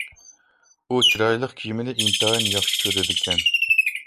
ئۇ چىرايلىق كىيىمنى ئىنتايىن ياخشى كۆرىدىكەن،